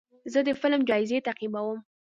زه د فلم جایزې تعقیبوم.